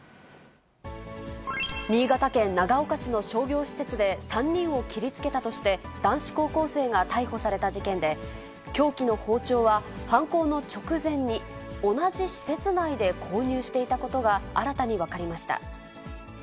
新潟県長岡市の商業施設で、３人を切りつけたとして、男子高校生が逮捕された事件で、凶器の包丁は、犯行の直前に、同じ施設内で購入していたことが新たに分かりました。